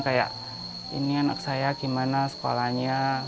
kayak ini anak saya gimana sekolahnya